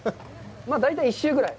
大体１周ぐらい。